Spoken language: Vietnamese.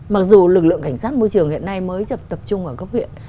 mặc dù lực lượng cảnh sát môi trường hiện nay mới tập trung ở cấp huyện